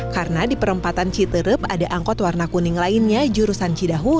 karena di perempatan citirep ada angkut warna kuning lainnya jurusan cidahu